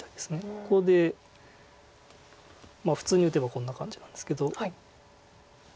ここで普通に打てばこんな感じなんですけど。